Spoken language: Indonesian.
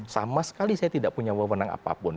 sama sekali saya tidak punya wewenang apapun